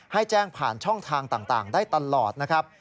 ให้แจ้งผ่านช่องทางต่างได้ตลอดนะครับ